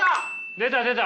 出た出た。